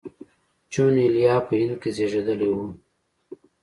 جون ایلیا په هند کې زېږېدلی و